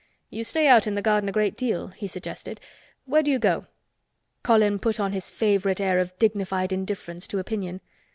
"You stay out in the garden a great deal," he suggested. "Where do you go?" Colin put on his favorite air of dignified indifference to opinion.